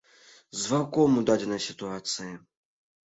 З ваўком у дадзенай сітуацыі.